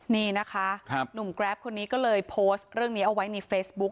นี่นะคะหนุ่มแกรปคนนี้ก็เลยโพสต์เรื่องนี้เอาไว้ในเฟซบุ๊ค